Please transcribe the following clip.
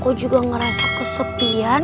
kau juga ngerasa kesepian